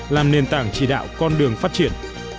làm nền tảng chỉ đạo con đường phát triển